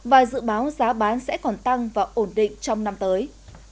và dự báo giá bán sẽ còn tăng và ổn định trong năm tới